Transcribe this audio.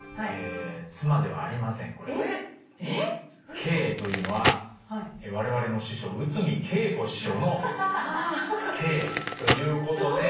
⁉「Ｋ」というのは我々の師匠内海桂子師匠の「Ｋ」ということで。